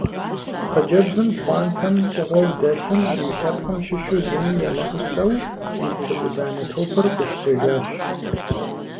Хъыджэбзым пхъуантэм фӀыгъуэу дэлъым и лъэпкъым щыщу зыми емыӀусэу и цы Ӏуданэ топыр къищтэжащ.